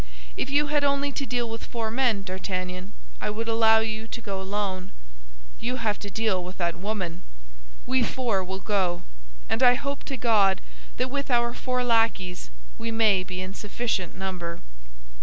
If you had only to deal with four men, D'Artagnan, I would allow you to go alone. You have to do with that woman! We four will go; and I hope to God that with our four lackeys we may be in sufficient number."